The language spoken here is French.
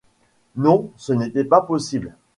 Non! ce n’était pas possible.